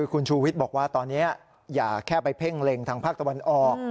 คุณชูวิทย์บอกว่าตอนนี้อย่าแค่ไปเพ่งเล็งทางภาคตะวันออก